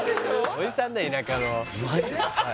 おじさんだよ田舎のマジ？